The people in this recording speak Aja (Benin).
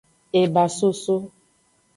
Ebasoso.